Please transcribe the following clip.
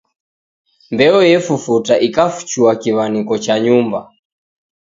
Mbeo efufuta ikafuchua kiw'aniko cha nyumba.